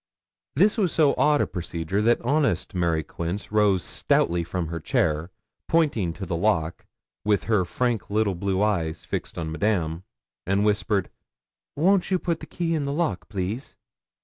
This was so odd a procedure that honest Mary Quince rose stoutly from her chair, pointing to the lock, with her frank little blue eyes fixed on Madame, and she whispered 'Won't you put the key in the lock, please?'